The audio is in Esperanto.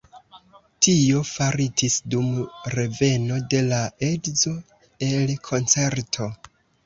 Tio faritis dum reveno de la edzo el koncerto.